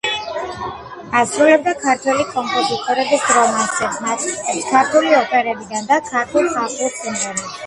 ასრულებდა ქართველი კომპოზიტორების რომანსებს, ნაწყვეტებს ქართული ოპერებიდან და ქართულ ხალხურ სიმღერებს.